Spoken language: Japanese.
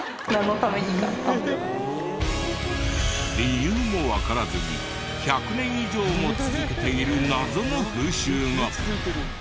理由もわからずに１００年以上も続けている謎の風習が！